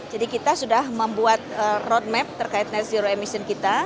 jadi kita sudah membuat roadmap terkait net zero emission kita